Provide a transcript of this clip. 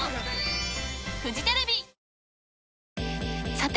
さて！